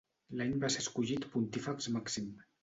L'any va ser escollit Pontífex Màxim.